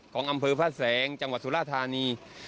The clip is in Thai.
ของอำเภอพระแสงจังหวัดสุราธานี